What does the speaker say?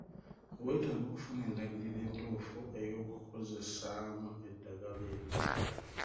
Weetaaga okufuna endagiriro entuufu ey'okukozesaamu eddagala eryo.